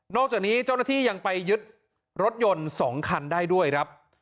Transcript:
จากนี้เจ้าหน้าที่ยังไปยึดรถยนต์๒คันได้ด้วยครับ